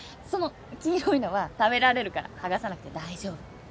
その黄色いのは食べられるから剥がさなくて大丈夫。